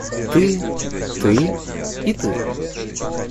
Ты… ты и ты.